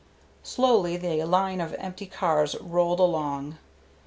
Slowly the line of empty cars rolled along.